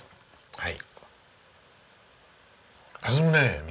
はい。